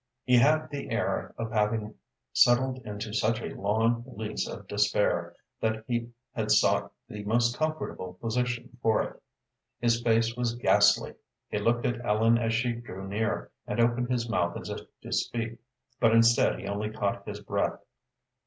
He had the air of having settled into such a long lease of despair that he had sought the most comfortable position for it. His face was ghastly. He looked at Ellen as she drew near, and opened his mouth as if to speak, but instead he only caught his breath.